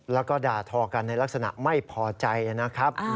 แล้วก็ด่าทอกันในลักษณะไม่พอใจนะครับ